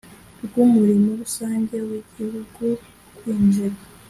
rw umurimo rusange w igihugu winjira